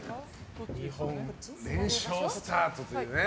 日本連勝スタートというね。